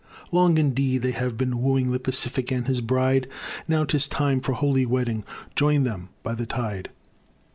Long indeed they have been wooing, The Pacific and his bride; Now 'tis time for holy wedding Join them by the tide.